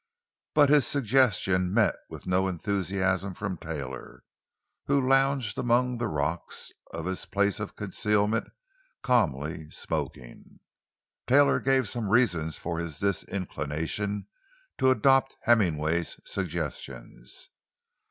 But his suggestions met with no enthusiasm from Taylor, who lounged among the rocks of his place of concealment calmly smoking. Taylor gave some reasons for his disinclination to adopt Hemmingway's suggestions.